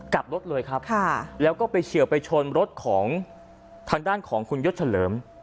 กลับรถเลยครับแล้วก็ไปเฉียวไปชนรถของทางด้านของคุณยศเฉลิม